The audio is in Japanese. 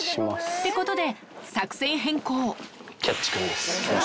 ってことで、作戦変更。